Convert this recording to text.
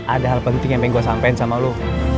ada hal penting yang main gue sampein sama lo